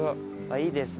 いいですね